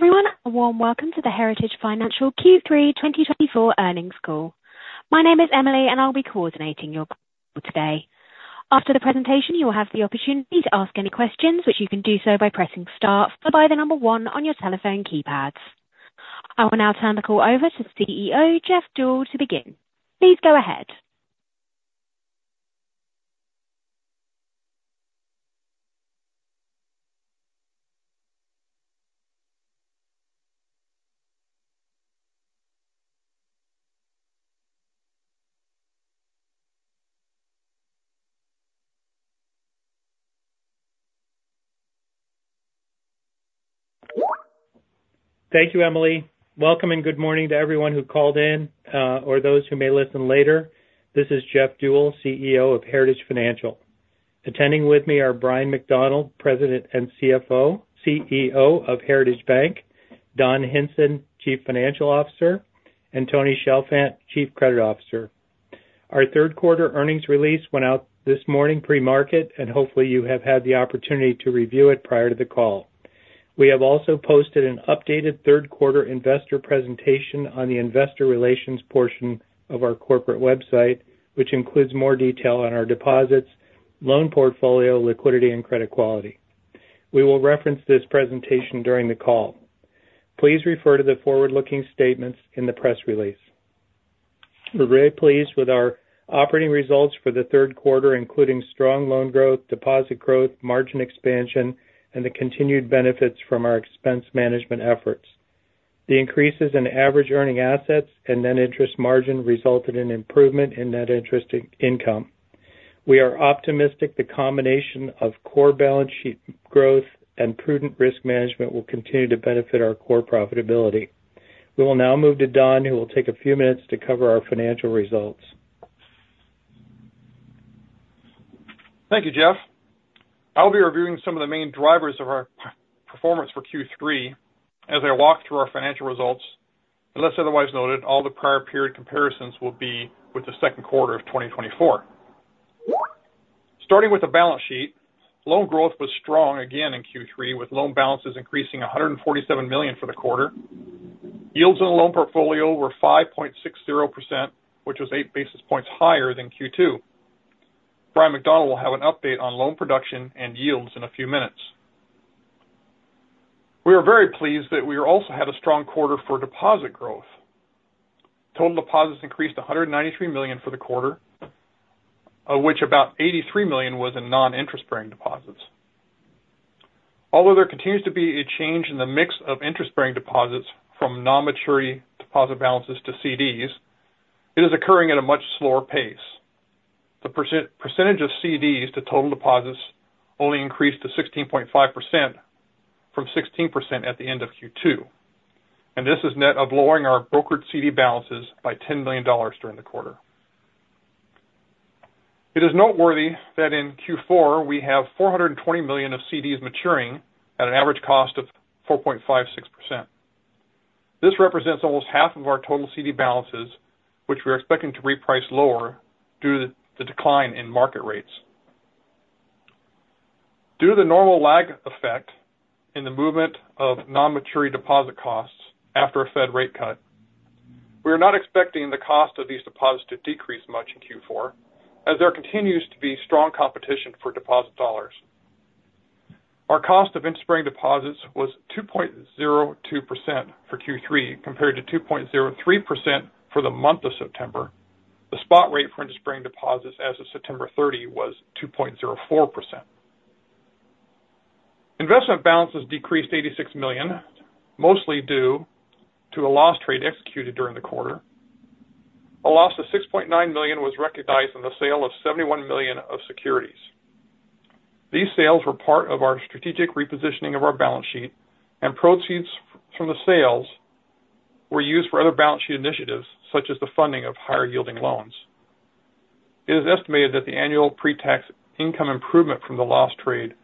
Hello, everyone, a warm welcome to the Heritage Financial Q3 2024 Earnings Call. My name is Emily, and I'll be coordinating your call today. After the presentation, you will have the opportunity to ask any questions, which you can do so by pressing star or by the number one on your telephone keypad. I will now turn the call over to CEO, Jeff Deuel, to begin. Please go ahead. Thank you, Emily. Welcome and good morning to everyone who called in, or those who may listen later. This is Jeff Deuel, CEO of Heritage Financial. Attending with me are Brian McDonald, President and CEO of Heritage Bank, Don Hinson, Chief Financial Officer, and Tony Chalfant, Chief Credit Officer. Our third quarter earnings release went out this morning pre-market, and hopefully, you have had the opportunity to review it prior to the call. We have also posted an updated third quarter investor presentation on the Investor Relations portion of our corporate website, which includes more detail on our deposits, loan portfolio, liquidity, and credit quality. We will reference this presentation during the call. Please refer to the forward-looking statements in the press release. We're very pleased with our operating results for the third quarter, including strong loan growth, deposit growth, margin expansion, and the continued benefits from our expense management efforts. The increases in average earning assets and net interest margin resulted in improvement in net interest income. We are optimistic the combination of core balance sheet growth and prudent risk management will continue to benefit our core profitability. We will now move to Don, who will take a few minutes to cover our financial results. Thank you, Jeff. I'll be reviewing some of the main drivers of our performance for Q3 as I walk through our financial results. Unless otherwise noted, all the prior period comparisons will be with the second quarter of 2024. Starting with the balance sheet, loan growth was strong again in Q3, with loan balances increasing $147 million for the quarter. Yields in the loan portfolio were 5.60%, which was eight basis points higher than Q2. Brian McDonald will have an update on loan production and yields in a few minutes. We are very pleased that we also had a strong quarter for deposit growth. Total deposits increased $193 million for the quarter, of which about $83 million was in non-interest-bearing deposits. Although there continues to be a change in the mix of interest-bearing deposits from non-maturity deposit balances to CDs, it is occurring at a much slower pace. The percentage of CDs to total deposits only increased to 16.5% from 16% at the end of Q2, and this is net of lowering our brokered CD balances by $10 million during the quarter. It is noteworthy that in Q4, we have $420 million of CDs maturing at an average cost of 4.56%. This represents almost half of our total CD balances, which we're expecting to reprice lower due to the decline in market rates. Due to the normal lag effect in the movement of non-maturity deposit costs after a Fed rate cut, we are not expecting the cost of these deposits to decrease much in Q4, as there continues to be strong competition for deposit dollars. Our cost of interest-bearing deposits was 2.02% for Q3, compared to 2.03% for the month of September. The spot rate for interest-bearing deposits as of September 30th was 2.04%. Investment balances decreased $86 million, mostly due to a loss trade executed during the quarter. A loss of $6.9 million was recognized in the sale of $71 million of securities. These sales were part of our strategic repositioning of our balance sheet, and proceeds from the sales were used for other balance sheet initiatives, such as the funding of higher-yielding loans. It is estimated that the annual pre-tax income improvement from the loss trade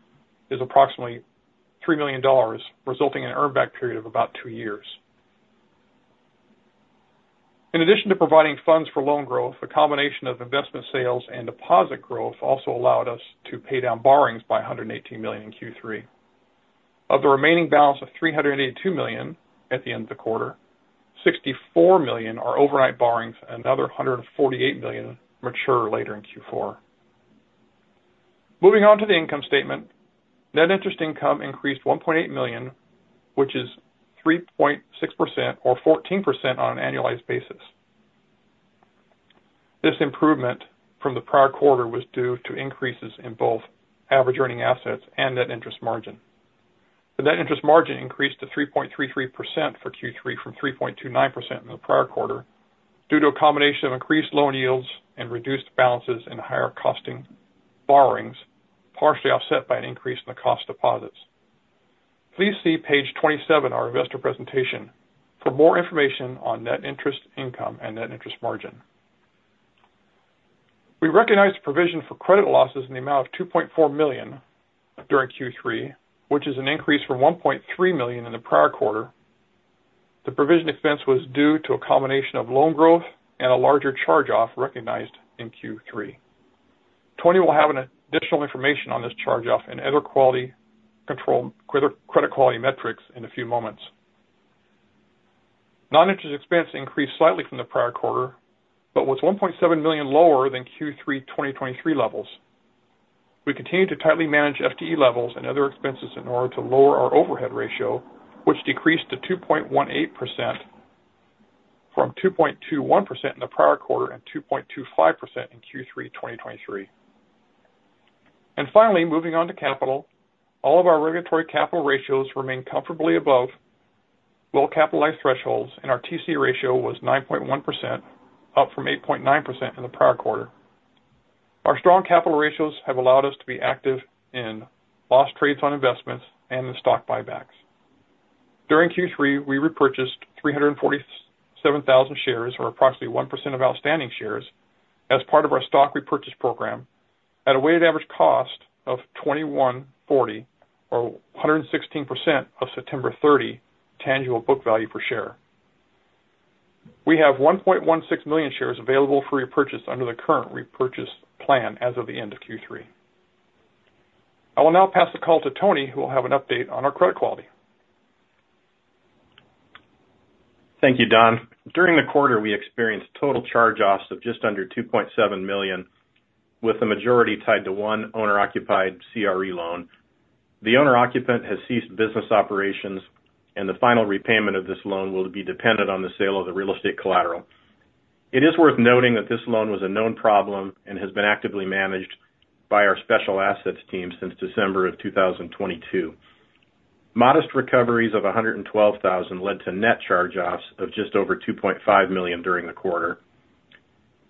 is approximately $3 million, resulting in an earn back period of about two years. In addition to providing funds for loan growth, the combination of investment sales and deposit growth also allowed us to pay down borrowings by $118 million in Q3. Of the remaining balance of $382 million at the end of the quarter, $64 million are overnight borrowings, and another $148 million mature later in Q4. Moving on to the income statement, net interest income increased $1.8 million, which is 3.6% or 14% on an annualized basis. This improvement from the prior quarter was due to increases in both average earning assets and net interest margin. The net interest margin increased to 3.33% for Q3 from 3.29% in the prior quarter, due to a combination of increased loan yields and reduced balances and higher costing borrowings, partially offset by an increase in the cost of deposits. Please see page 27, our investor presentation, for more information on net interest income and net interest margin. We recognized the provision for credit losses in the amount of $2.4 million during Q3, which is an increase from $1.3 million in the prior quarter. The provision expense was due to a combination of loan growth and a larger charge-off recognized in Q3. Tony will have an additional information on this charge-off and other credit quality metrics in a few moments. Non-interest expense increased slightly from the prior quarter, but was $1.7 million lower than Q3 2023 levels. We continue to tightly manage FTE levels and other expenses in order to lower our overhead ratio, which decreased to 2.18% from 2.21% in the prior quarter and 2.25% in Q3 2023. Finally, moving on to capital. All of our regulatory capital ratios remain comfortably above well-capitalized thresholds, and our TC ratio was 9.1%, up from 8.9% in the prior quarter. Our strong capital ratios have allowed us to be active in loss trades on investments and in stock buybacks. During Q3, we repurchased 347,000 shares, or approximately 1% of outstanding shares, as part of our stock repurchase program at a weighted average cost of $21.40 or 116% of September 30th tangible book value per share. We have 1.16 million shares available for repurchase under the current repurchase plan as of the end of Q3. I will now pass the call to Tony, who will have an update on our credit quality. Thank you, Don. During the quarter, we experienced total charge-offs of just under $2.7 million, with the majority tied to one owner-occupied CRE loan. The owner-occupant has ceased business operations, and the final repayment of this loan will be dependent on the sale of the real estate collateral. It is worth noting that this loan was a known problem and has been actively managed by our Special Assets team since December 2022. Modest recoveries of $112,000 led to net charge-offs of just over $2.5 million during the quarter.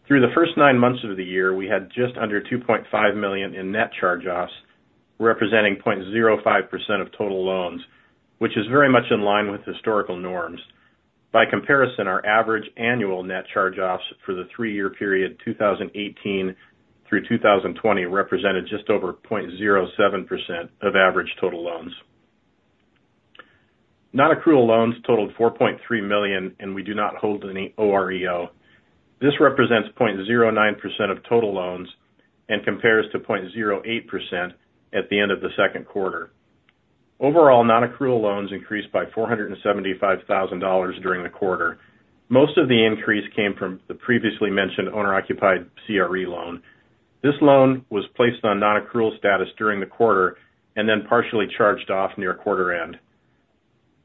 Through the first nine months of the year, we had just under $2.5 million in net charge-offs, representing 0.05% of total loans, which is very much in line with historical norms. By comparison, our average annual net charge-offs for the three-year period, 2018 through 2020, represented just over 0.07% of average total loans. Nonaccrual loans totaled $4.3 million, and we do not hold any OREO. This represents 0.09% of total loans and compares to 0.08% at the end of the second quarter. Overall, nonaccrual loans increased by $475,000 during the quarter. Most of the increase came from the previously mentioned owner-occupied CRE loan. This loan was placed on nonaccrual status during the quarter and then partially charged off near quarter end.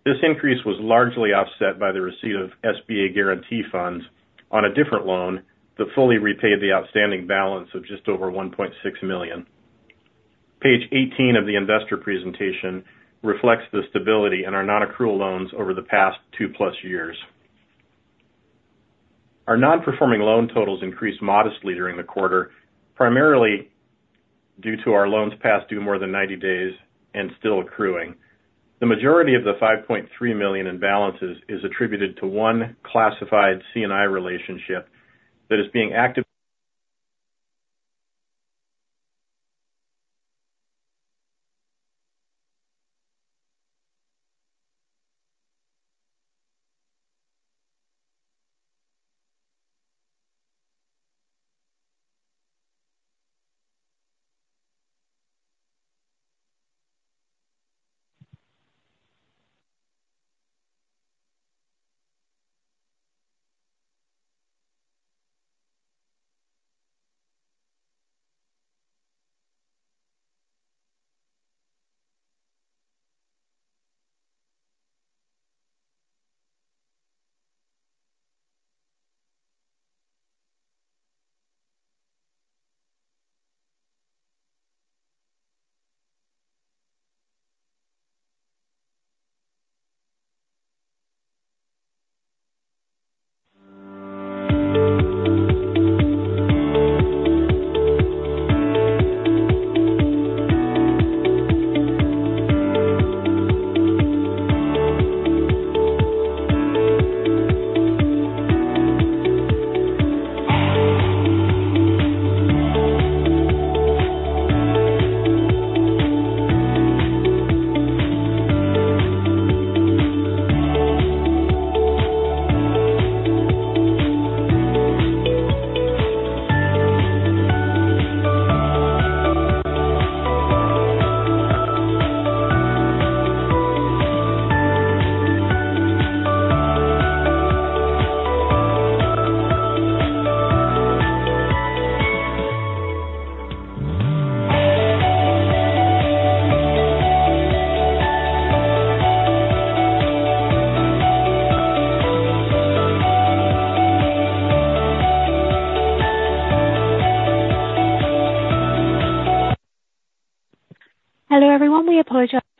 This increase was largely offset by the receipt of SBA guarantee funds on a different loan that fully repaid the outstanding balance of just over $1.6 million. Page eighteen of the investor presentation reflects the stability in our nonaccrual loans over the past two-plus years. Our nonperforming loan totals increased modestly during the quarter, primarily due to our loans past due more than ninety days and still accruing. The majority of the $5.3 million in balances is attributed to one classified C&I relationship that is being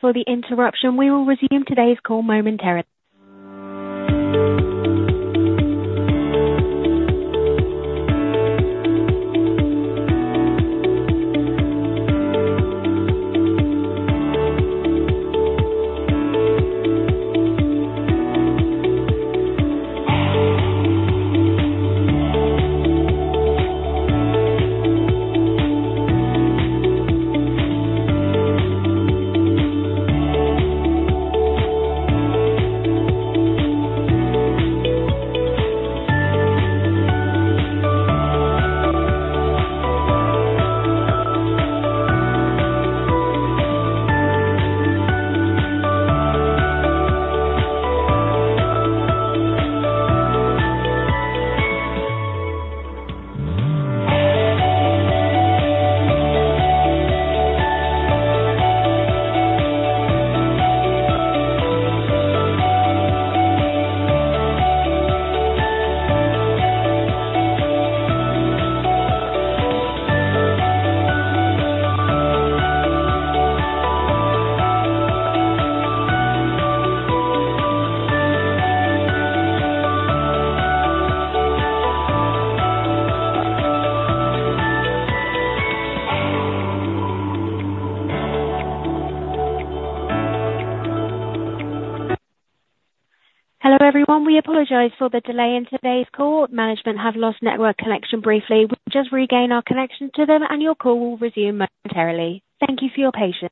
actively- Hello, everyone. We apologize for the interruption. We will resume today's call momentarily. Hello, everyone. We apologize for the delay in today's call. Management have lost network connection briefly. We've just regained our connection to them, and your call will resume momentarily. Thank you for your patience.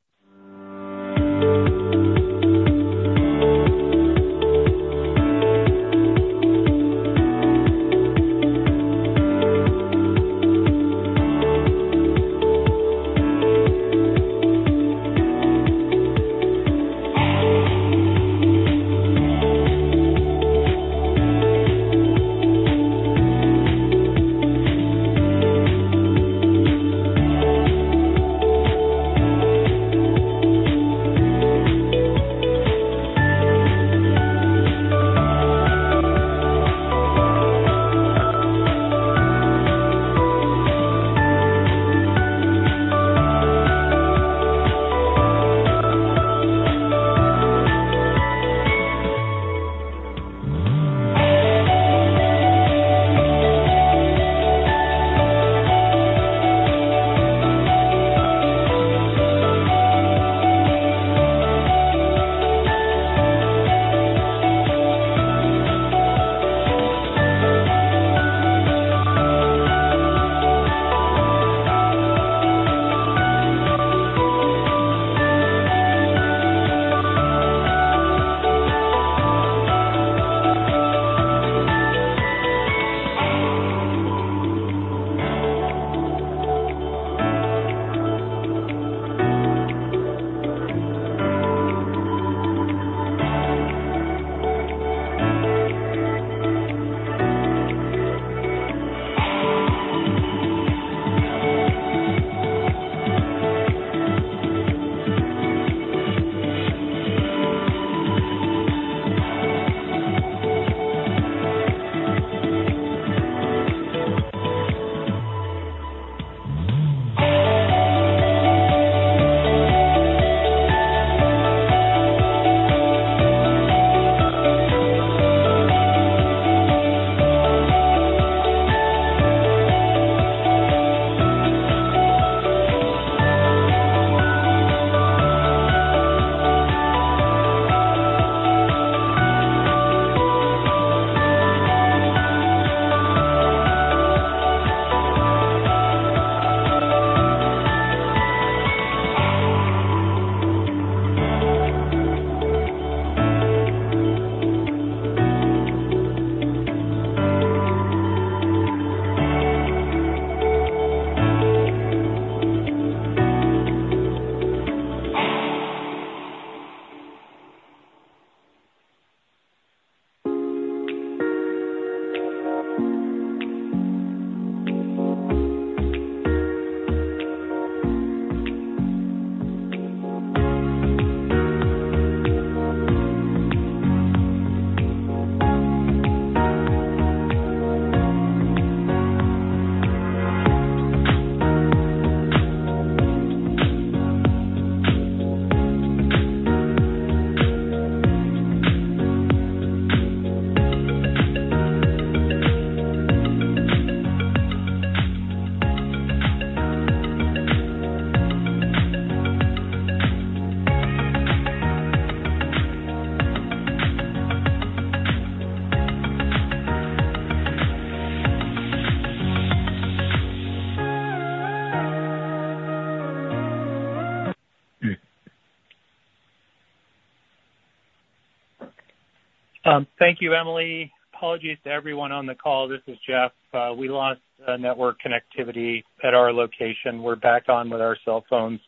Thank you, Emily. Apologies to everyone on the call. This is Jeff. We lost network connectivity at our location. We're back on with our cell phones,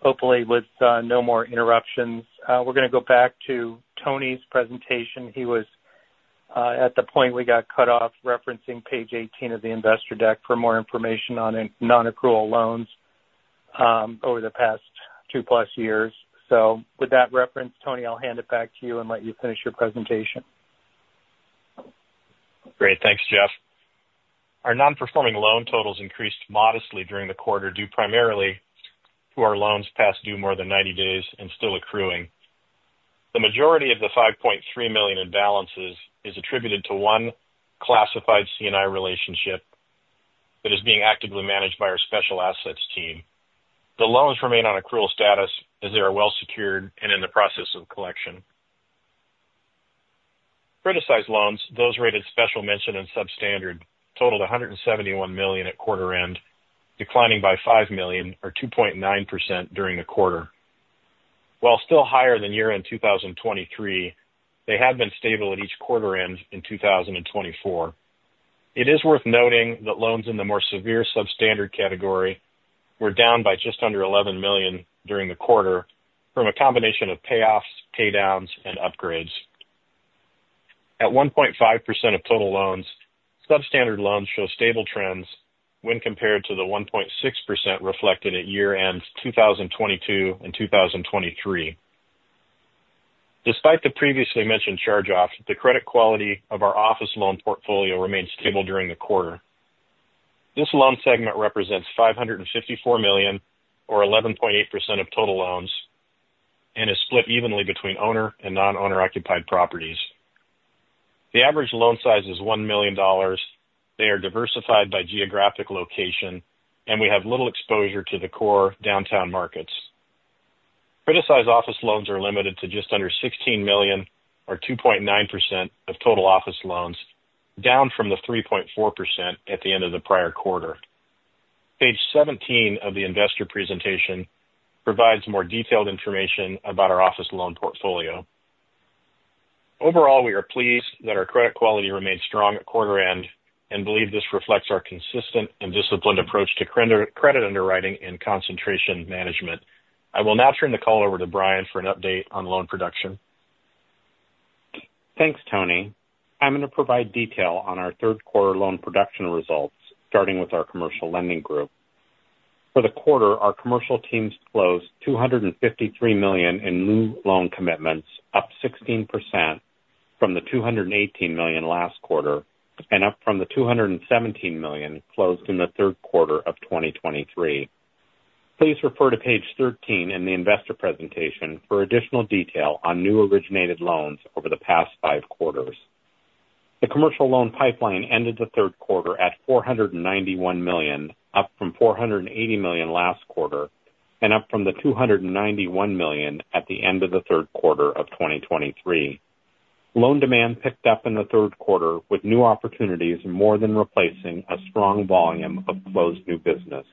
hopefully with no more interruptions. We're going to go back to Tony's presentation. He was at the point we got cut off, referencing page eighteen of the investor deck for more information on nonaccrual loans over the past two-plus years. With that reference, Tony, I'll hand it back to you and let you finish your presentation. Great. Thanks, Jeff. Our non-performing loan totals increased modestly during the quarter, due primarily to our loans past due more than 90 days and still accruing. The majority of the $5.3 million in balances is attributed to one classified C&I relationship that is being actively managed by our Special assets team. The loans remain on accrual status as they are well secured and in the process of collection. Criticized loans, those rated Special Mention and Substandard, totaled $171 million at quarter end, declining by $5 million or 2.9% during the quarter. While still higher than year-end 2023, they have been stable at each quarter end in 2024. It is worth noting that loans in the more severe Substandard category were down by just under $11 million during the quarter from a combination of payoffs, paydowns, and upgrades. At 1.5% of total loans, Substandard loans show stable trends when compared to the 1.6% reflected at year-end 2022 and 2023. Despite the previously mentioned charge-offs, the credit quality of our office loan portfolio remained stable during the quarter. This loan segment represents $554 million, or 11.8% of total loans, and is split evenly between owner and non-owner occupied properties. The average loan size is $1 million. They are diversified by geographic location, and we have little exposure to the core downtown markets. Criticized office loans are limited to just under $16 million or 2.9% of total office loans, down from the 3.4% at the end of the prior quarter. Page 17 of the investor presentation provides more detailed information about our office loan portfolio. Overall, we are pleased that our credit quality remains strong at quarter end and believe this reflects our consistent and disciplined approach to credit underwriting and concentration management. I will now turn the call over to Brian for an update on loan production. Thanks, Tony. I'm going to provide detail on our third quarter loan production results, starting with our commercial lending group. For the quarter, our commercial teams closed $253 million in new loan commitments, up 16% from the $218 million last quarter and up from the $217 million closed in the third quarter of 2023. Please refer to page 13 in the investor presentation for additional detail on new originated loans over the past five quarters. The commercial loan pipeline ended the third quarter at $491 million, up from $480 million last quarter and up from the $291 million at the end of the third quarter of 2023. Loan demand picked up in the third quarter, with new opportunities more than replacing a strong volume of closed new business.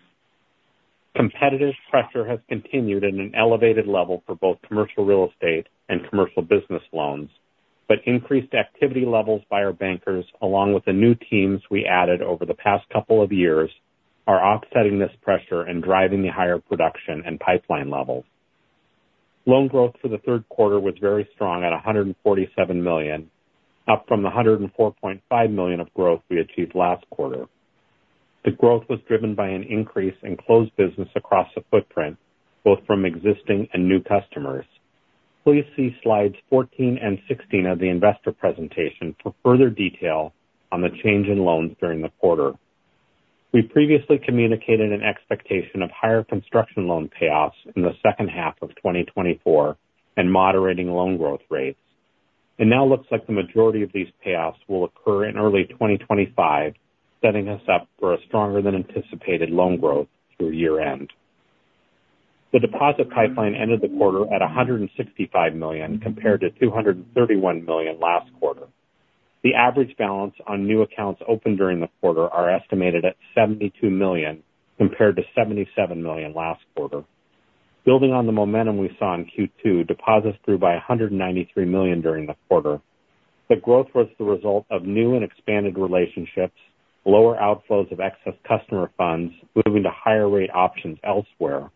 Competitive pressure has continued at an elevated level for both commercial real estate and commercial business loans, but increased activity levels by our bankers, along with the new teams we added over the past couple of years, are offsetting this pressure and driving the higher production and pipeline levels. Loan growth for the third quarter was very strong at $147 million, up from the $104.5 million of growth we achieved last quarter. The growth was driven by an increase in closed business across the footprint, both from existing and new customers. Please see slides 14 and 16 of the investor presentation for further detail on the change in loans during the quarter. We previously communicated an expectation of higher construction loan payoffs in the second half of 2024 and moderating loan growth rates. It now looks like the majority of these payoffs will occur in early 2025, setting us up for a stronger than anticipated loan growth through year-end. The deposit pipeline ended the quarter at $165 million, compared to $231 million last quarter. The average balance on new accounts opened during the quarter are estimated at $72 million, compared to $77 million last quarter. Building on the momentum we saw in Q2, deposits grew by $193 million during the quarter. The growth was the result of new and expanded relationships, lower outflows of excess customer funds, moving to higher rate options elsewhere, and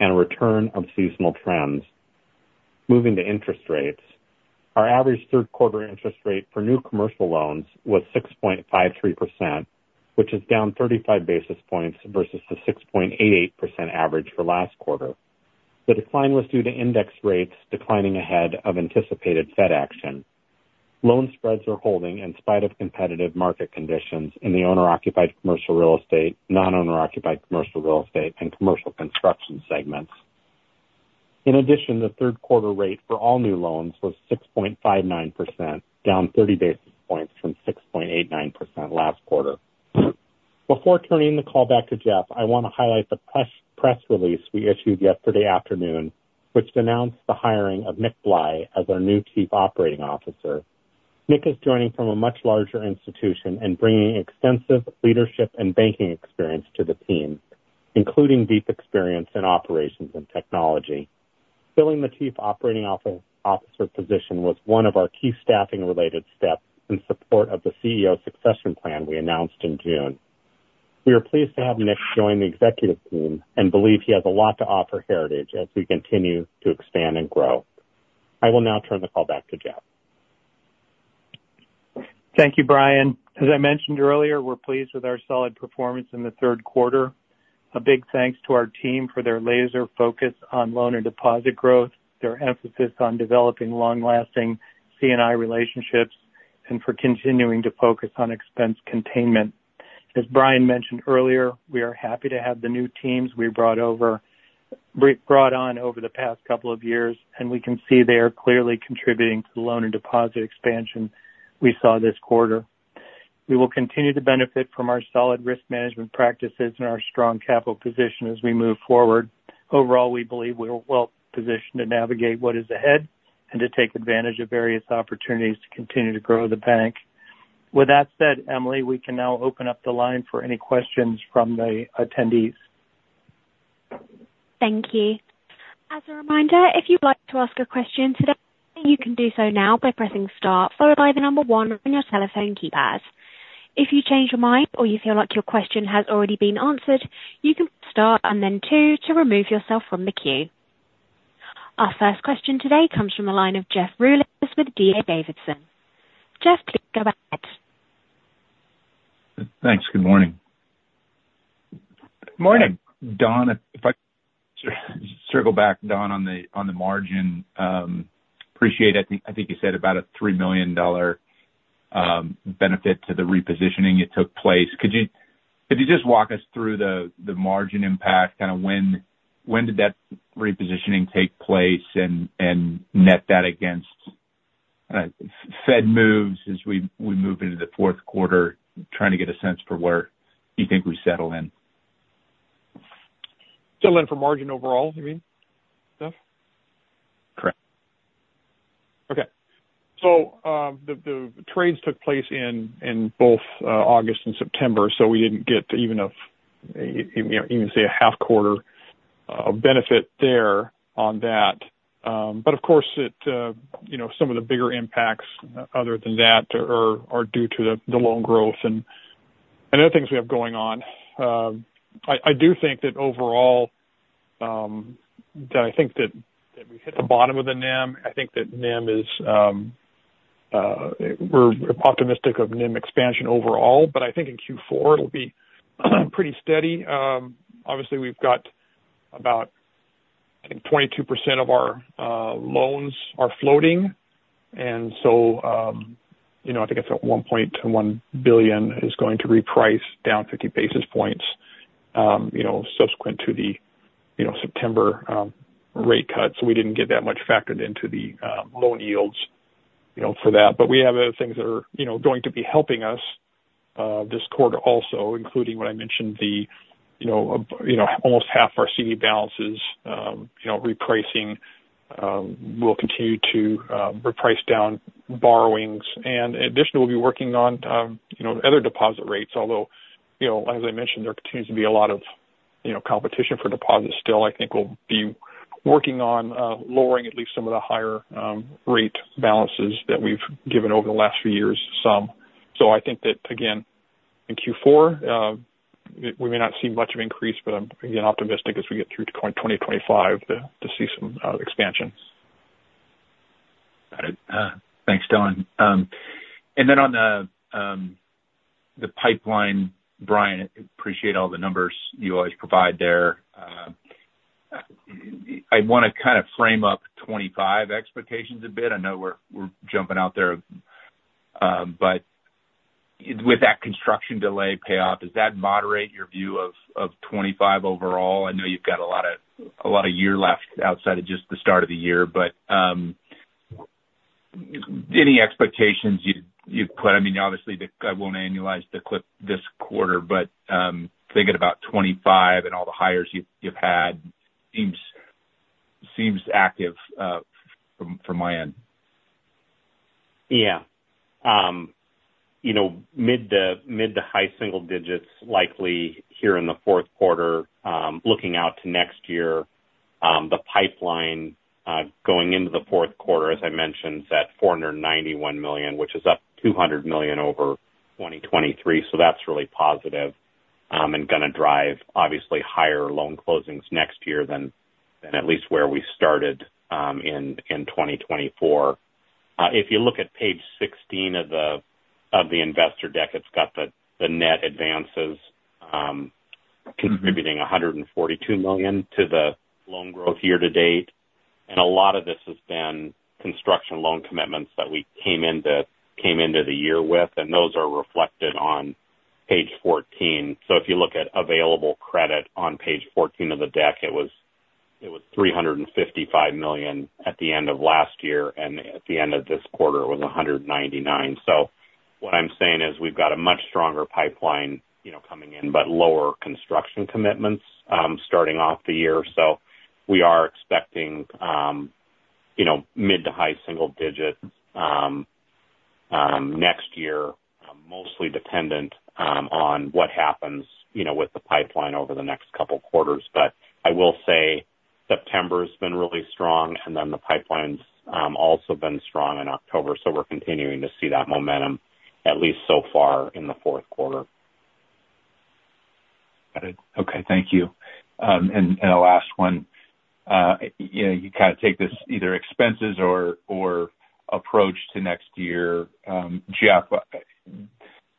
a return of seasonal trends. Moving to interest rates. Our average third quarter interest rate for new commercial loans was 6.53%, which is down 35 basis points versus the 6.8% average for last quarter. The decline was due to index rates declining ahead of anticipated Fed action. Loan spreads are holding in spite of competitive market conditions in the owner-occupied commercial real estate, non-owner occupied commercial real estate, and commercial construction segments. In addition, the third quarter rate for all new loans was 6.59%, down 30 basis points from 6.89% last quarter. Before turning the call back to Jeff, I want to highlight the press release we issued yesterday afternoon, which announced the hiring of Nick Byl as our new Chief Operating Officer. Nick is joining from a much larger institution and bringing extensive leadership and banking experience to the team, including deep experience in operations and technology. Filling the Chief Operating Officer position was one of our key staffing-related steps in support of the CEO succession plan we announced in June. We are pleased to have Nick join the executive team and believe he has a lot to offer Heritage as we continue to expand and grow. I will now turn the call back to Jeff. Thank you, Brian. As I mentioned earlier, we're pleased with our solid performance in the third quarter. A big thanks to our team for their laser focus on loan and deposit growth, their emphasis on developing long-lasting C&I relationships, and for continuing to focus on expense containment. As Brian mentioned earlier, we are happy to have the new teams we brought on over the past couple of years, and we can see they are clearly contributing to the loan and deposit expansion we saw this quarter.... We will continue to benefit from our solid risk management practices and our strong capital position as we move forward. Overall, we believe we are well positioned to navigate what is ahead and to take advantage of various opportunities to continue to grow the bank. With that said, Emily, we can now open up the line for any questions from the attendees. Thank you. As a reminder, if you'd like to ask a question today, you can do so now by pressing star followed by the number one on your telephone keypad. If you change your mind or you feel like your question has already been answered, you can star and then two to remove yourself from the queue. Our first question today comes from the line of Jeff Rulis with D.A. Davidson. Jeff, please go ahead. Thanks. Good morning. Morning! Don, if I could circle back, Don, on the margin. Appreciate it. I think you said about a $3 million benefit to the repositioning that took place. Could you just walk us through the margin impact? Kind of when did that repositioning take place, and net that against Fed moves as we move into the fourth quarter? Trying to get a sense for where you think we settle in. Settle in for margin overall, you mean, Jeff? Correct. Okay. So, the trades took place in both August and September, so we didn't get even, say, a half quarter benefit there on that. But of course it, you know, some of the bigger impacts other than that are due to the loan growth and other things we have going on. I do think that overall, that I think that we've hit the bottom of the NIM. I think that NIM is, we're optimistic of NIM expansion overall, but I think in Q4 it'll be pretty steady. Obviously we've got about, I think, 22% of our loans are floating. And so, you know, I think it's $1.1 billion is going to reprice down 50 basis points, you know, subsequent to the September rate cut. So we didn't get that much factored into the loan yields, you know, for that. But we have other things that are, you know, going to be helping us this quarter also, including what I mentioned, the, you know, almost half our CD balances, you know, repricing. We'll continue to reprice down borrowings. And additionally, we'll be working on, you know, other deposit rates, although, you know, as I mentioned, there continues to be a lot of, you know, competition for deposits still. I think we'll be working on lowering at least some of the higher rate balances that we've given over the last few years. So I think that, again, in Q4, we may not see much of increase, but I'm again optimistic as we get through to 2025 to see some expansion. Got it. Thanks, Don. And then on the pipeline, Brian, appreciate all the numbers you always provide there. I want to kind of frame up 2025 expectations a bit. I know we're jumping out there, but with that construction delay payoff, does that moderate your view of 2025 overall? I know you've got a lot of year left outside of just the start of the year, but any expectations you'd put? I mean, obviously, I won't annualize the clip this quarter, but thinking about 2025 and all the hires you've had, seems active from my end. Yeah. You know, mid- to high-single digits likely here in the fourth quarter. Looking out to next year, the pipeline going into the fourth quarter, as I mentioned, is at $491 million, which is up $200 million over 2023. So that's really positive, and gonna drive obviously higher loan closings next year than at least where we started, in 2024. If you look at page 16 of the investor deck, it's got the net advances. Mm-hmm. Contributing $142 million to the loan growth year to date. A lot of this has been construction loan commitments that we came into the year with, and those are reflected on page fourteen. So if you look at available credit on page fourteen of the deck, it was $355 million at the end of last year, and at the end of this quarter, it was $199 million. So what I'm saying is we've got a much stronger pipeline, you know, coming in, but lower construction commitments starting off the year. So we are expecting, you know, mid- to high-single digits next year, mostly dependent on what happens, you know, with the pipeline over the next couple quarters. But I will say September's been really strong, and then the pipeline's also been strong in October, so we're continuing to see that momentum at least so far in the fourth quarter. Got it. Okay, thank you. And, and the last one, you know, you kind of take this either expenses or, or approach to next year. Jeff,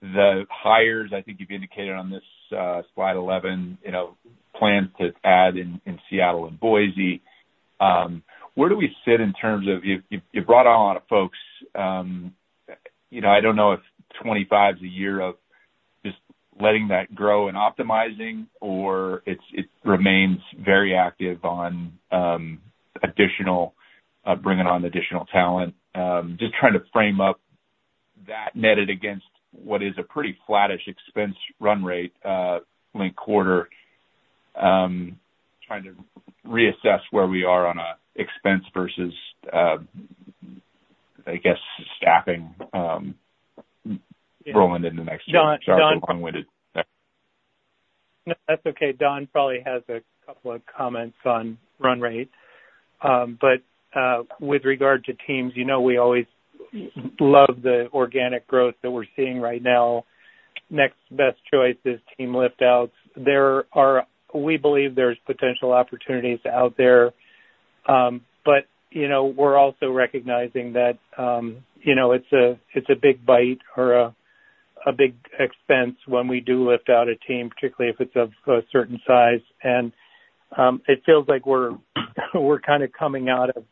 the hires, I think you've indicated on this, slide 11, you know, plans to add in, in Seattle and Boise. Where do we sit in terms of... You brought on a lot of folks. You know, I don't know if twenty-five's a year of- just letting that grow and optimizing, or it's- it remains very active on, additional, bringing on additional talent? Just trying to frame up that netted against what is a pretty flattish expense run rate, linked quarter. Trying to reassess where we are on a expense versus, I guess, staffing, rolling in the next long-winded. No, that's okay. Don probably has a couple of comments on run rate. But with regard to teams, you know, we always love the organic growth that we're seeing right now. Next best choice is team lift outs. We believe there's potential opportunities out there, but, you know, we're also recognizing that, you know, it's a big bite or a big expense when we do lift out a team, particularly if it's of a certain size. And it feels like we're kind of coming out of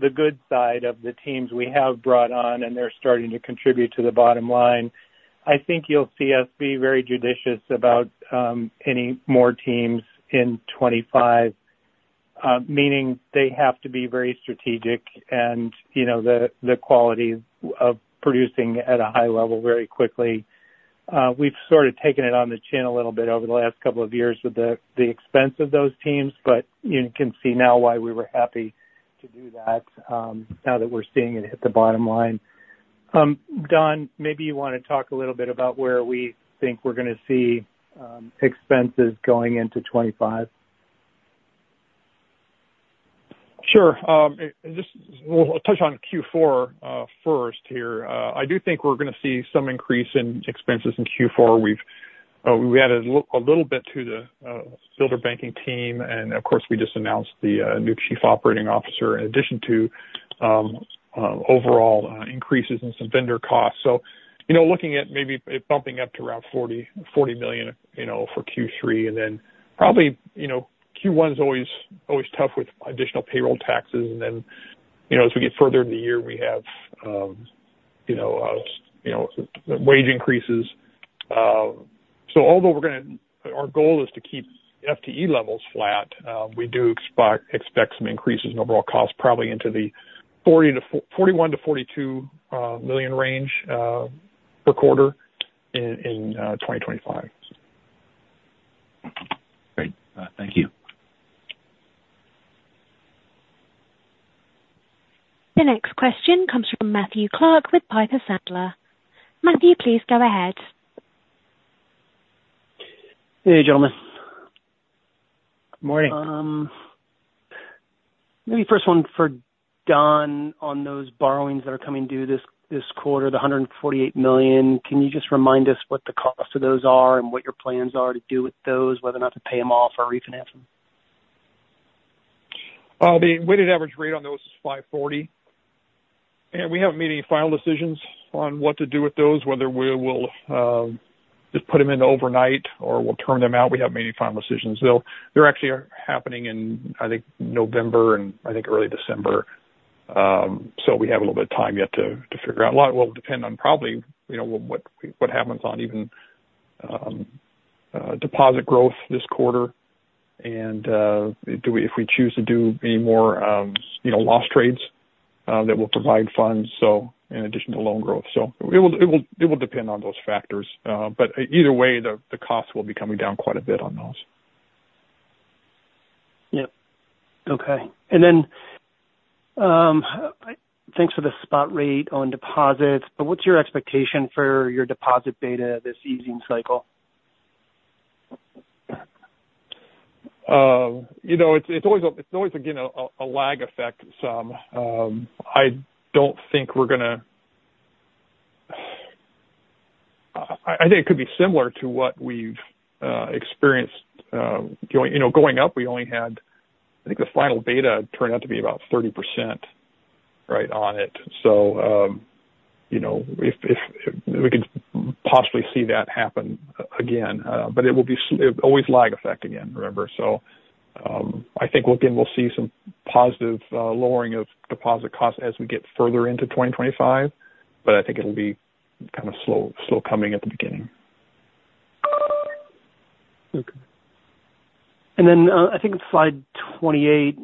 the good side of the teams we have brought on, and they're starting to contribute to the bottom line. I think you'll see us be very judicious about any more teams in '25. Meaning they have to be very strategic and, you know, the quality of producing at a high level very quickly. We've sort of taken it on the chin a little bit over the last couple of years with the expense of those teams, but you can see now why we were happy to do that, now that we're seeing it hit the bottom line. Don, maybe you want to talk a little bit about where we think we're going to see expenses going into twenty-five. Sure. Just we'll touch on Q4 first here. I do think we're going to see some increase in expenses in Q4. We've added a little bit to the Builder Banking team, and of course, we just announced the new Chief Operating Officer, in addition to overall increases in some vendor costs. So, you know, looking at maybe it bumping up to around $40 million, you know, for Q3, and then probably, you know, Q1 is always tough with additional payroll taxes. And then, you know, as we get further in the year, we have, you know, wage increases. Although our goal is to keep FTE levels flat, we do expect some increases in overall costs, probably into the $41 million-$42 million range per quarter in 2025. Great. Thank you. The next question comes from Matthew Clark with Piper Sandler. Matthew, please go ahead. Hey, gentlemen. Good morning. Maybe first one for Don on those borrowings that are coming due this quarter, the $148 million. Can you just remind us what the cost of those are and what your plans are to do with those, whether or not to pay them off or refinance them? The weighted average rate on those is 5.40%, and we haven't made any final decisions on what to do with those, whether we will just put them in overnight or we'll term them out. We haven't made any final decisions. They're actually happening in, I think, November and I think early December. So we have a little bit of time yet to figure out. A lot will depend on probably, you know, what happens, even on deposit growth this quarter. And if we choose to do any more, you know, loss trades, that will provide funds, so in addition to loan growth. So it will depend on those factors. But either way, the costs will be coming down quite a bit on those. Yep. Okay. And then, thanks for the spot rate on deposits, but what's your expectation for your deposit beta, this easing cycle? You know, it's always, again, a lag effect. I don't think we're gonna. I think it could be similar to what we've experienced going up, you know. We only had, I think, the final beta turned out to be about 30% right on it. So, you know, if we could possibly see that happen again, but it will always be a lag effect again, remember. So, I think, again, we'll see some positive lowering of deposit costs as we get further into 2025, but I think it'll be kind of slow coming at the beginning. Okay. And then, I think it's slide 28.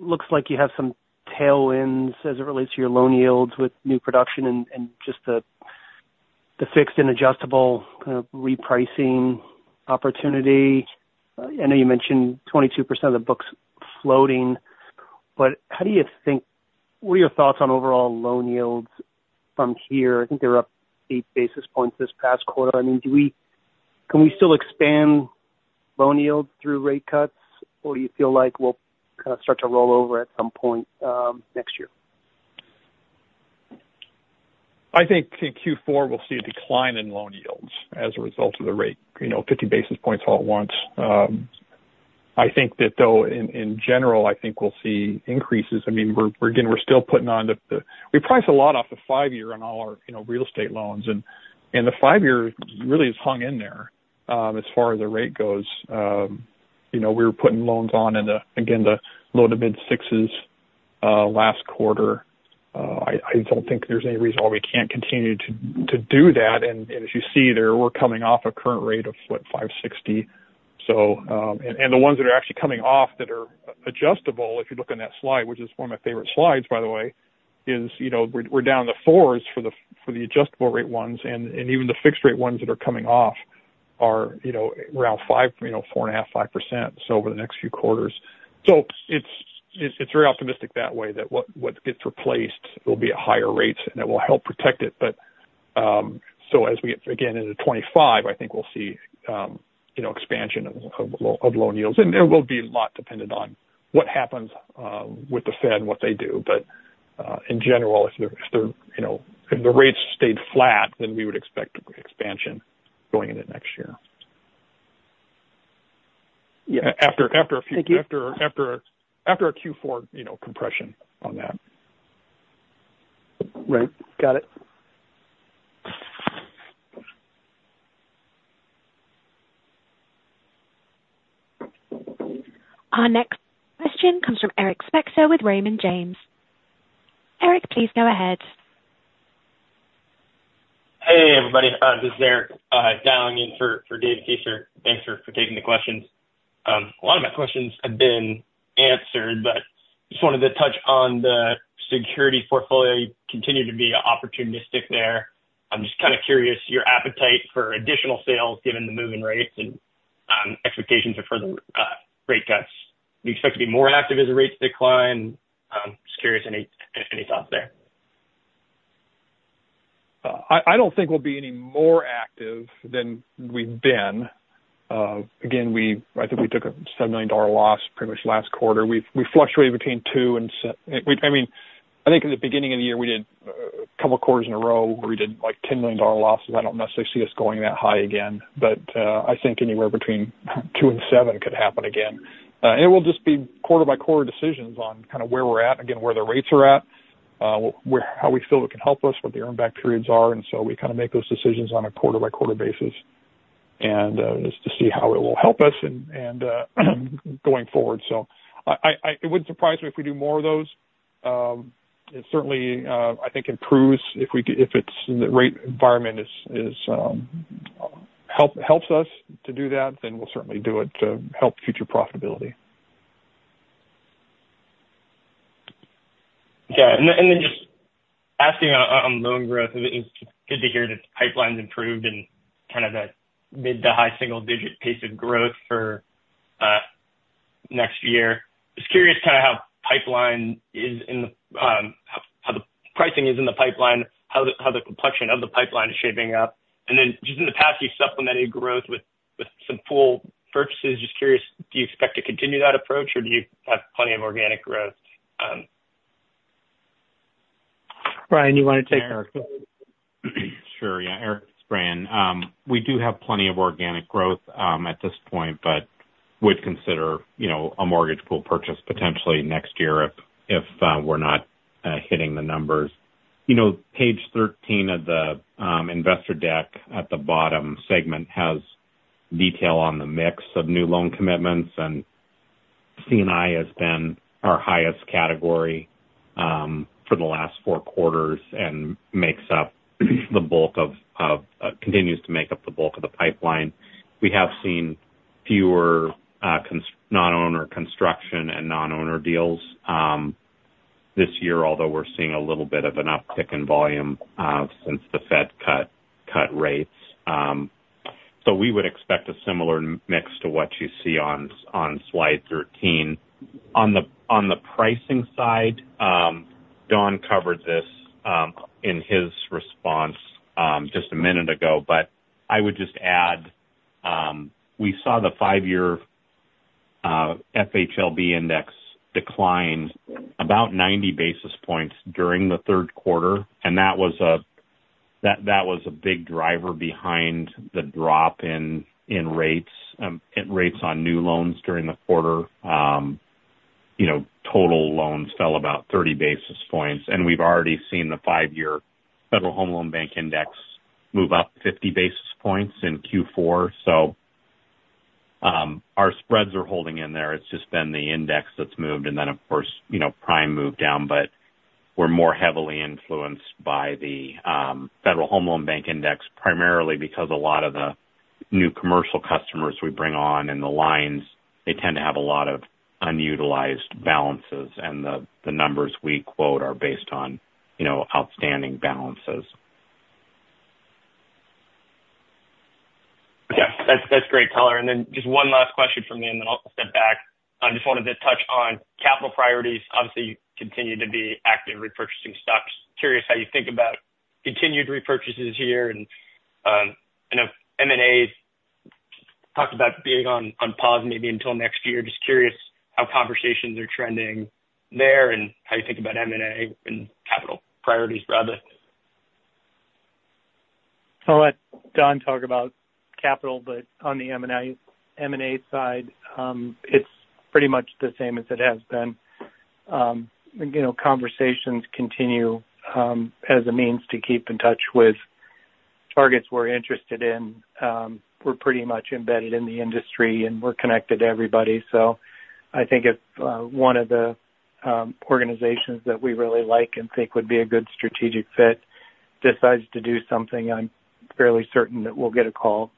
Looks like you have some tailwinds as it relates to your loan yields with new production and just the fixed and adjustable kind of repricing opportunity. I know you mentioned 22% of the book's floating, but how do you think- what are your thoughts on overall loan yields from here? I think they're up eight basis points this past quarter. I mean, do we- can we still expand loan yields through rate cuts, or do you feel like we'll kind of start to roll over at some point next year? I think in Q4 we'll see a decline in loan yields as a result of the rate, you know, fifty basis points all at once. I think that though, in general, I think we'll see increases. I mean, we're, again, we're still putting on the we priced a lot off the five-year on all our, you know, real estate loans, and the five-year really has hung in there as far as the rate goes. You know, we were putting loans on in the, again, the low to mid sixes last quarter. I don't think there's any reason why we can't continue to do that. And as you see there, we're coming off a current rate of what? 5.60%. So, and the ones that are actually coming off that are adjustable, if you look on that slide, which is one of my favorite slides, by the way, you know, we're down in the fours for the adjustable rate ones, and even the fixed rate ones that are coming off are, you know, around 5, you know, 4.5%-5%. So over the next few quarters. So it's very optimistic that way, that what gets replaced will be at higher rates, and it will help protect it. But, so as we get, again, into 2025, I think we'll see, you know, expansion of loan yields. And there will be a lot dependent on what happens with the Fed and what they do. But, in general, you know, if the rates stayed flat, then we would expect expansion going into next year. Yeah. After a few- Thank you. After a Q4, you know, compression on that. Right. Got it. Our next question comes from Eric Spreen with Raymond James. Eric, please go ahead. Hey, everybody, this is Eric, dialing in for Dave Feaster. Thanks for taking the questions. A lot of my questions have been answered, but just wanted to touch on the securities portfolio. You continue to be opportunistic there. I'm just kind of curious, your appetite for additional sales, given the move in rates and expectations of further rate cuts. Do you expect to be more active as the rates decline? Just curious, any thoughts there? I don't think we'll be any more active than we've been. Again, I think we took a $7 million loss pretty much last quarter. We fluctuated between $2 million and $7 million. I mean, I think in the beginning of the year, we did a couple of quarters in a row, where we did, like, $10 million losses. I don't necessarily see us going that high again, but, I think anywhere between $2 million and $7 million could happen again. It will just be quarter-by-quarter decisions on kind of where we're at, again, where the rates are at, where, how we feel it can help us, what the earn back periods are. And so we kind of make those decisions on a quarter-by-quarter basis, and, just to see how it will help us and, going forward. It wouldn't surprise me if we do more of those. It certainly I think improves if the rate environment helps us to do that, then we'll certainly do it to help future profitability. Yeah. And then just asking on loan growth, it was just good to hear that the pipeline's improved and kind of the mid to high single digit pace of growth for next year. Just curious kind of how pipeline is in the how the pricing is in the pipeline, how the complexion of the pipeline is shaping up. And then just in the past, you supplemented growth with some pool purchases. Just curious, do you expect to continue that approach, or do you have plenty of organic growth? Brian, you want to take Eric? Sure. Yeah. Eric, it's Brian. We do have plenty of organic growth at this point, but would consider, you know, a mortgage pool purchase potentially next year if we're not hitting the numbers. You know, page 13 of the investor deck at the bottom segment has detail on the mix of new loan commitments, and C&I has been our highest category for the last four quarters and continues to make up the bulk of the pipeline. We have seen fewer non-owner construction and non-owner deals this year, although we're seeing a little bit of an uptick in volume since the Fed cut rates. So we would expect a similar mix to what you see on slide 13. On the pricing side, Don covered this in his response just a minute ago, but I would just add, we saw the five-year FHLB index decline about 90 basis points during the third quarter, and that was a big driver behind the drop in rates on new loans during the quarter. You know, total loans fell about 30 basis points, and we've already seen the five-year Federal Home Loan Bank index move up 50 basis points in Q4. So, our spreads are holding in there. It's just been the index that's moved, and then of course, you know, Prime moved down. But we're more heavily influenced by the Federal Home Loan Bank index, primarily because a lot of the new commercial customers we bring on and the lines, they tend to have a lot of unutilized balances, and the numbers we quote are based on, you know, outstanding balances. Yeah, that's, that's great color. And then just one last question from me, and then I'll step back. I just wanted to touch on capital priorities. Obviously, you continue to be active in repurchasing stocks. Curious how you think about continued repurchases here and, I know M&A's talked about being on pause maybe until next year. Just curious how conversations are trending there and how you think about M&A and capital priorities rather. I'll let Don talk about capital, but on the M&A side, it's pretty much the same as it has been. You know, conversations continue as a means to keep in touch with targets we're interested in. We're pretty much embedded in the industry, and we're connected to everybody. So I think if one of the organizations that we really like and think would be a good strategic fit decides to do something, I'm fairly certain that we'll get a call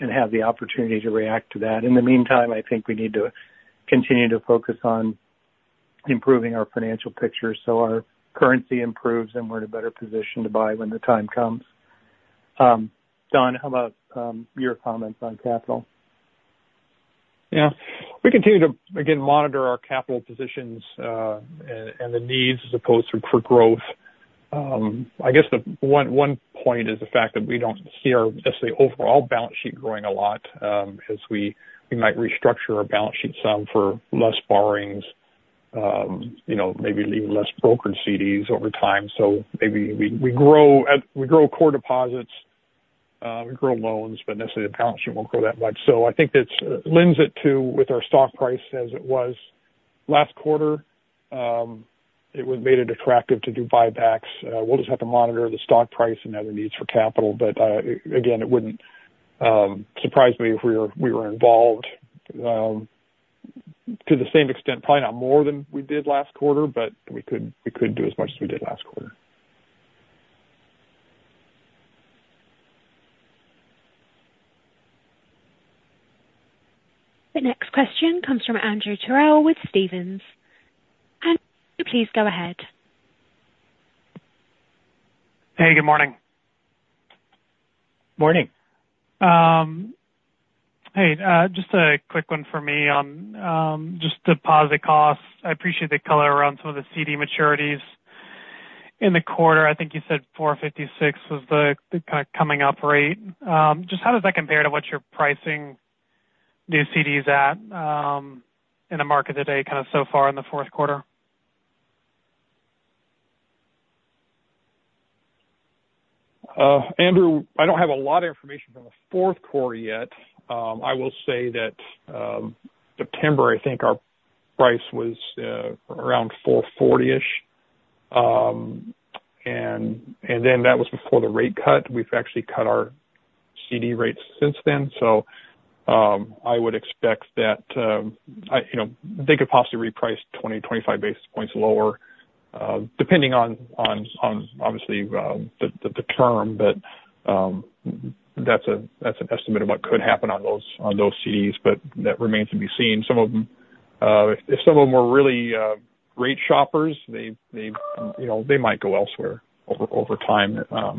and have the opportunity to react to that. In the meantime, I think we need to continue to focus on improving our financial picture so our currency improves, and we're in a better position to buy when the time comes. Don, how about your comments on capital? Yeah. We continue to, again, monitor our capital positions, and the needs as opposed to for growth. I guess the one point is the fact that we don't see our necessarily overall balance sheet growing a lot, as we might restructure our balance sheet some for less borrowings, you know, maybe leaving less brokered CDs over time. So maybe we grow core deposits, we grow loans, but necessarily the balance sheet won't grow that much. So I think that's lends it to with our stock price as it was last quarter, it was made it attractive to do buybacks. We'll just have to monitor the stock price and other needs for capital, but again, it wouldn't surprise me if we were involved to the same extent, probably not more than we did last quarter, but we could do as much as we did last quarter. The next question comes from Andrew Terrell with Stephens. Andrew, please go ahead. Hey, good morning. Morning. Hey, just a quick one for me on just deposit costs. I appreciate the color around some of the CD maturities. In the quarter, I think you said 4.56 was the kind of coming up rate. Just how does that compare to what you're pricing new CDs at in the market today, kind of so far in the fourth quarter? Andrew, I don't have a lot of information from the fourth quarter yet. I will say that in September I think our price was around 4.40-ish and then that was before the rate cut. We've actually cut our CD rates since then, so I would expect that, I... You know, they could possibly reprice 20-25 basis points lower, depending on obviously the term. But that's an estimate of what could happen on those CDs, but that remains to be seen. Some of them, if some of them were really great shoppers, they, you know, they might go elsewhere over time,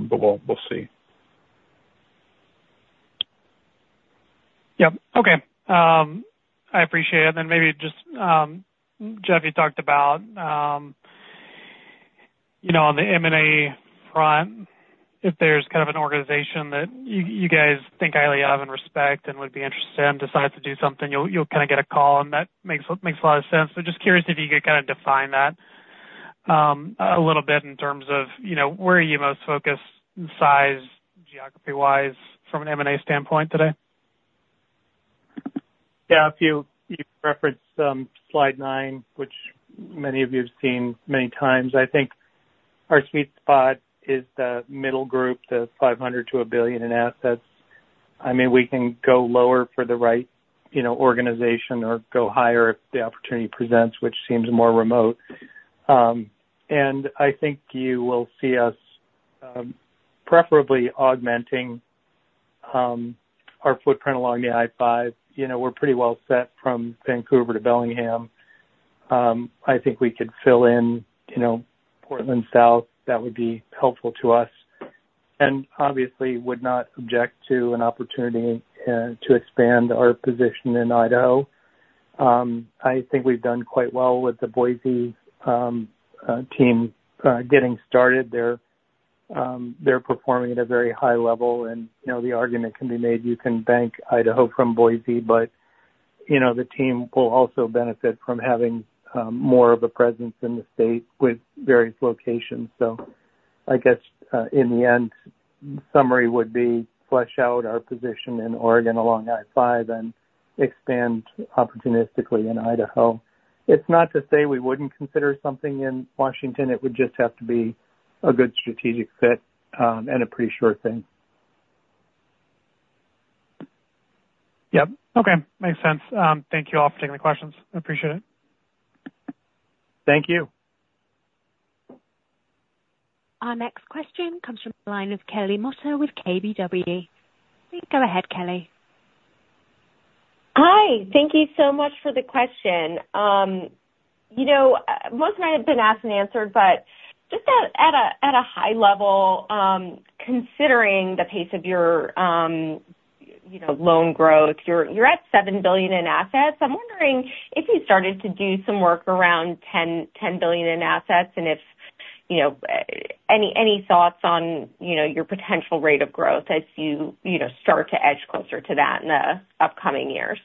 but we'll see. Yep. Okay. I appreciate it, then maybe just, Jeff, you talked about, you know, on the M&A front, if there's kind of an organization that you, you guys think highly of and respect and would be interested in and decide to do something, you'll kind of get a call and that makes a lot of sense, but just curious if you could kind of define that, a little bit in terms of, you know, where are you most focused in size, geography-wise, from an M&A standpoint today? Yeah, if you referenced slide nine, which many of you have seen many times. I think our sweet spot is the middle group, the five hundred to a billion in assets. I mean, we can go lower for the right, you know, organization or go higher if the opportunity presents, which seems more remote, and I think you will see us preferably augmenting our footprint along the I-5. You know, we're pretty well set from Vancouver to Bellingham. I think we could fill in, you know, Portland south, that would be helpful to us, and obviously would not object to an opportunity to expand our position in Idaho. I think we've done quite well with the Boise team getting started. They're performing at a very high level, and, you know, the argument can be made, you can bank Idaho from Boise, but, you know, the team will also benefit from having more of a presence in the state with various locations. So I guess, in the end, summary would be flesh out our position in Oregon along I-5 and expand opportunistically in Idaho. It's not to say we wouldn't consider something in Washington, it would just have to be a good strategic fit, and a pretty sure thing. Yep. Okay. Makes sense. Thank you all for taking the questions. I appreciate it. Thank you. Our next question comes from the line of Kelly Motta with KBW. Please go ahead, Kelly. Hi. Thank you so much for the question. You know, most might have been asked and answered, but just at a high level, considering the pace of your loan growth, you're at $7 billion in assets. I'm wondering if you started to do some work around $10 billion in assets and if you know any thoughts on, you know, your potential rate of growth as you start to edge closer to that in the upcoming years?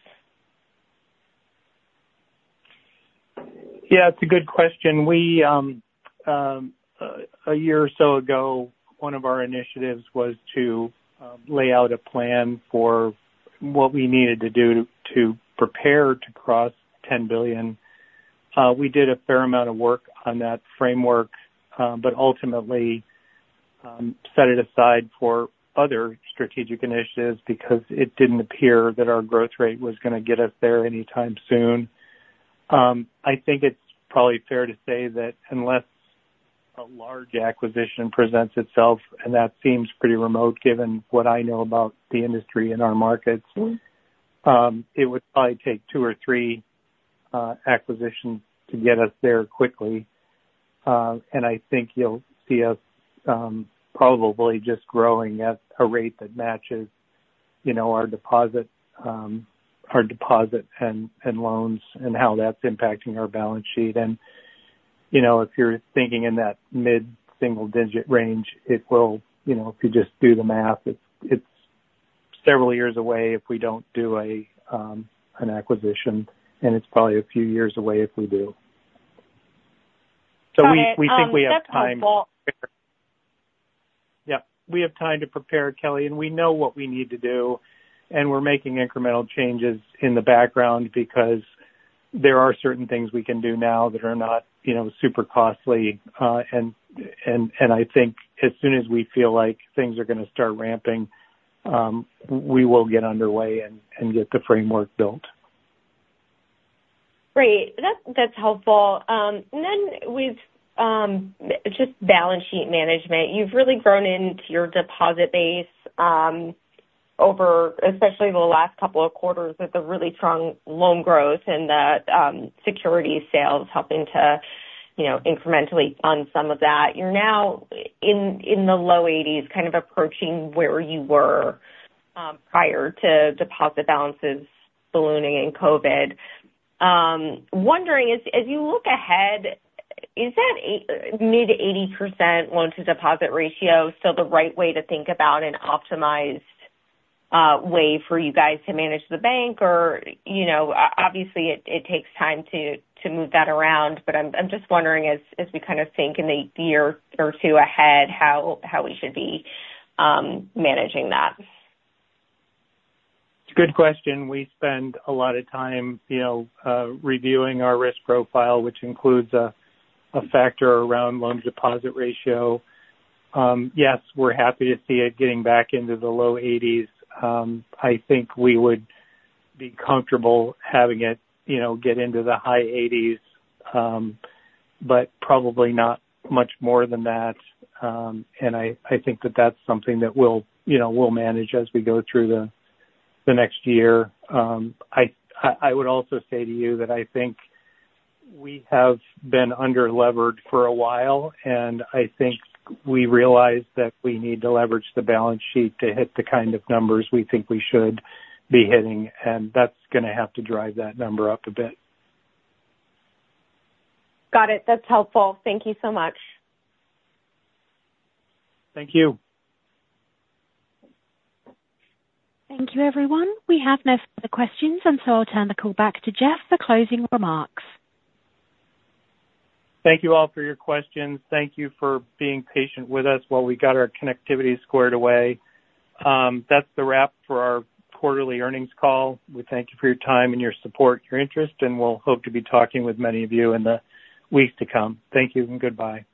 Yeah, it's a good question. We, a year or so ago, one of our initiatives was to lay out a plan for what we needed to do to prepare to cross ten billion. We did a fair amount of work on that framework, but ultimately, set it aside for other strategic initiatives because it didn't appear that our growth rate was going to get us there anytime soon. I think it's probably fair to say that unless a large acquisition presents itself, and that seems pretty remote, given what I know about the industry and our markets, it would probably take two or three acquisitions to get us there quickly. And I think you'll see us probably just growing at a rate that matches, you know, our deposit and loans and how that's impacting our balance sheet, and you know, if you're thinking in that mid-single digit range, it will, you know, if you just do the math, it's several years away if we don't do an acquisition, and it's probably a few years away if we do. Got it. So we think we have time. That's helpful. Yeah, we have time to prepare, Kelly, and we know what we need to do, and we're making incremental changes in the background because there are certain things we can do now that are not, you know, super costly, and I think as soon as we feel like things are going to start ramping, we will get underway and get the framework built. Great. That's helpful. And then with just balance sheet management, you've really grown into your deposit base over especially the last couple of quarters, with the really strong loan growth and the securities sales helping to, you know, incrementally fund some of that. You're now in the low 80s, kind of approaching where you were prior to deposit balances ballooning in COVID. Wondering, as you look ahead, is that mid-80% loan to deposit ratio still the right way to think about an optimized way for you guys to manage the bank? Or, you know, obviously, it takes time to move that around, but I'm just wondering, as we kind of think in the year or two ahead, how we should be managing that. It's a good question. We spend a lot of time, you know, reviewing our risk profile, which includes a factor around loan deposit ratio. Yes, we're happy to see it getting back into the low eighties. I think we would be comfortable having it, you know, get into the high eighties, but probably not much more than that. And I would also say to you that I think we have been under-levered for a while, and I think we realize that we need to leverage the balance sheet to hit the kind of numbers we think we should be hitting, and that's going to have to drive that number up a bit. Got it. That's helpful. Thank you so much. Thank you. Thank you, everyone. We have no further questions, and so I'll turn the call back to Jeff for closing remarks. Thank you all for your questions. Thank you for being patient with us while we got our connectivity squared away. That's the wrap for our quarterly earnings call. We thank you for your time and your support, your interest, and we'll hope to be talking with many of you in the weeks to come. Thank you and goodbye.